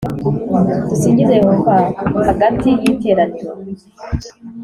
Dusingize Yehova hagati y iteraniro